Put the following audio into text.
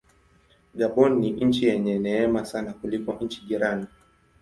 Gabon ni nchi yenye neema sana kuliko nchi jirani.